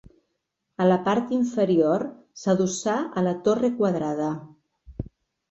A la part inferior s'adossà a la torre quadrada.